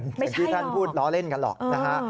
อย่างที่ท่านพูดล้อเล่นกันหรอกนะฮะ